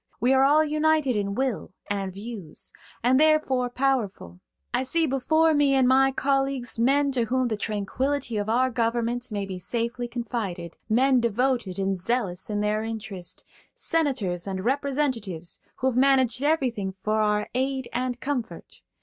We are all united in will and views, and therefore powerful. I see before me in my colleagues men to whom the tranquility of our government may be safely confided–men devoted and zealous in their interest–senators and representatives who have managed everything for our aid and comfort.